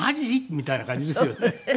みたいな感じですよね。